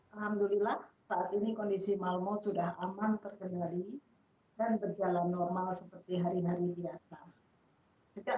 alhamdulillah saat ini kondisi malmo sudah aman terkendali dan berjalan normal seperti hari hari biasa